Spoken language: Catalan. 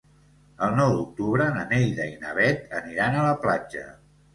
El nou d'octubre na Neida i na Bet aniran a la platja.